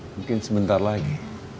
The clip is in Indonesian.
mungkin sebentar lagi